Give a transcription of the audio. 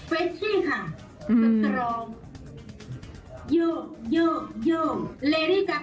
เฟซซี่ค่ะ